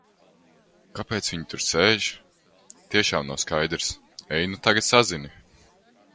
Kāpēc viņi tur sēž, tiešām nav skaidrs. Ej nu tagad sazini.